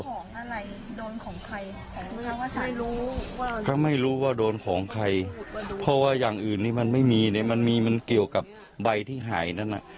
ของอะไรโดนของใครไม่รู้ว่าโดนของใครเพราะว่าอย่างอื่นนี่มันไม่มีเนี่ยมันมีมันเกี่ยวกับใบที่หายนั้นน่ะ